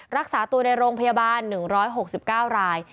รักษาตัวในโรงพยาบาล๑๖๙ราย